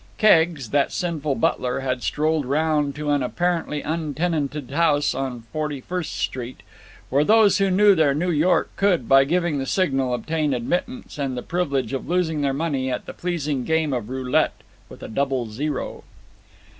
Keggs, that sinful butler, had strolled round to an apparently untenanted house on Forty First Street, where those who knew their New York could, by giving the signal, obtain admittance and the privilege of losing their money at the pleasing game of roulette with a double zero.